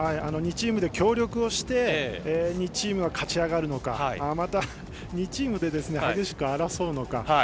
２チームで協力して２チームが勝ち上がるのかまた、２チームで激しく争うのか。